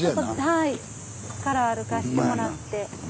から歩かしてもらって。